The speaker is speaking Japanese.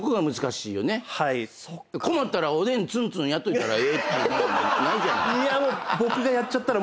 困ったらおでんつんつんやっといたらええっていうもんでもないじゃない。